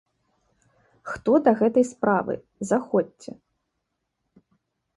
Хто да гэтай справы, заходзьце!